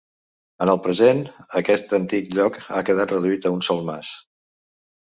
En el present, aquest antic lloc ha quedat reduït a un sol mas.